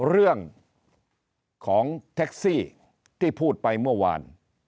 เรื่องของแท็กซี่ที่พูดไปเมื่อวาน